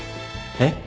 えっ？